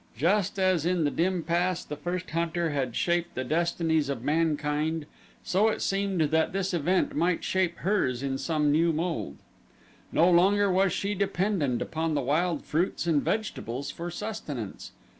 Just as in the dim past the first hunter had shaped the destinies of mankind so it seemed that this event might shape hers in some new mold. No longer was she dependent upon the wild fruits and vegetables for sustenance.